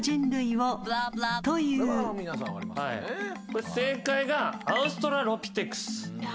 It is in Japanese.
これ正解がアウストラロピテクス。